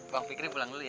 bang fikri pulang dulu ya